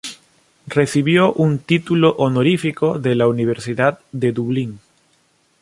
Recibió un título honorífico de la Universidad de Dublín.